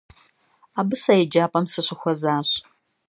Абы сэ еджапӏэм сыщыхуэзащ.